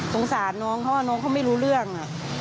สงสารน้องเขาว่าน้องเขาไม่รู้เรื่อง